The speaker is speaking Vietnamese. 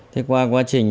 thế qua quá trình